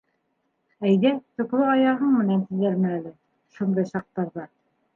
Әйҙә, төклө аяғың менән, тиҙәрме әле, шундай саҡтарҙа?